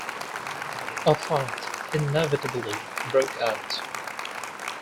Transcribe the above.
A fight inevitably broke out.